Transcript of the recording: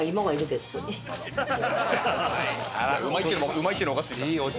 「うまい」って言うのおかしいか。